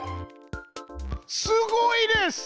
すごいです！